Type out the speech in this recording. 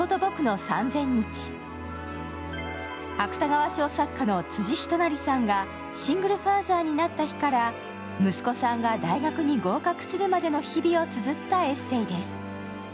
芥川賞作家の辻仁成さんがシングルマザーになった日から息子さんが大学に合格するまでの日々をつづったエッセイです。